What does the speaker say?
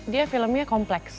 dia filmnya kompleks